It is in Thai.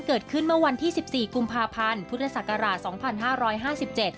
เกิดขึ้นเมื่อวันที่๑๔กุมภาพันธ์พุทธศักราช๒๕๕๗